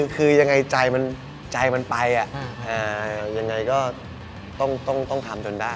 คือยังไงใจมันไปยังไงก็ต้องทำจนได้